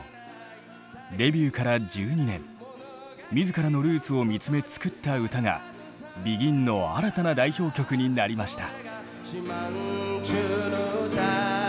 デビューから１２年自らのルーツを見つめ作った歌がＢＥＧＩＮの新たな代表曲になりました。